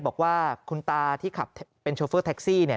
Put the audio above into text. บอกว่าคุณตาที่ขับเป็นโชเฟอร์แท็กซี่เนี่ย